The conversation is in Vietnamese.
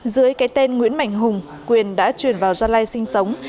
dưới cái tên nguyễn mạnh hùng quyền đã chuyển vào gia lai sinh sống